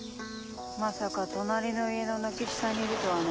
まさか隣の家の軒下にいるとはね。